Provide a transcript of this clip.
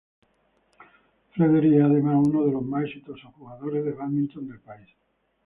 Frederik es además uno de los más exitosos jugadores de bádminton del país.